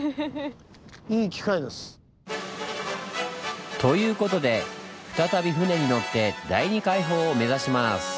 いい機会です。ということで再び船に乗って第二海堡を目指します！